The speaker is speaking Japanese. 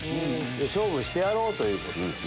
勝負してやろうということで。